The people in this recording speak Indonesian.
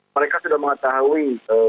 mereka sudah mengetahui